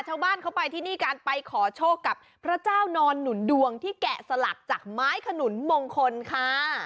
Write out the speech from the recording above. ชาวบ้านเขาไปที่นี่การไปขอโชคกับพระเจ้านอนหนุนดวงที่แกะสลักจากไม้ขนุนมงคลค่ะ